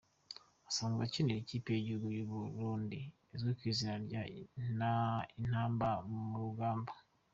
Asanzwe anakinira ikipe y’igihugu y’u Burundi izwi ku izina rya Intambamurugamba.